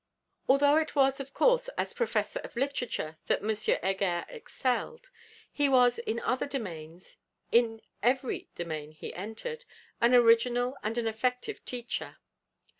Although it was, of course, as Professor of Literature that M. Heger excelled, he was in other domains in every domain he entered an original and an effective teacher.